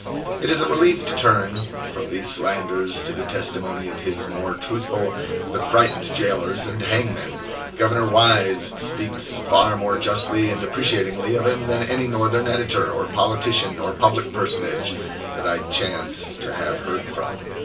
It is a relief to turn from these slanders to the testimony of his more truthful, but frightened, jailers and hangmen. Governor Wise speaks far more justly and appreciatingly of him than any Northern editor, or politician, or public personage, that I chance to have heard from.